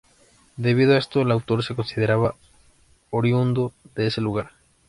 Debido a esto el autor se consideraba oriundo de ese lugar.